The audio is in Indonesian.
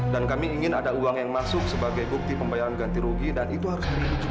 dan kami ingin ada uang yang masuk sebagai bukti pembayaran ganti rugi dan itu harus hari ini juga